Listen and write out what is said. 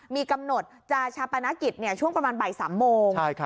มีกำหนดจะชาปนกิจช่วงประมาณบ่าย๓โมง